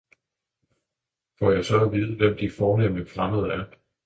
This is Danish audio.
får jeg så at vide hvem de fornemme fremmede er?